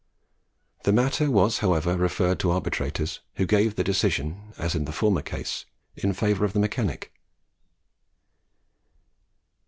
The matter was, however, referred to arbitrators, who gave their decision, as in the former case, in favour of the mechanic.